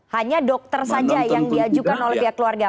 hanya dokter saja yang diajukan oleh pihak keluarga